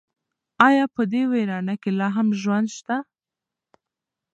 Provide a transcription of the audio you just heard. ایا په دې ویرانه کې لا هم ژوند شته؟